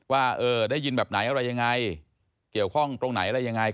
ว่าได้ยินแบบไหนอะไรยังไงเกี่ยวข้องตรงไหนอะไรยังไง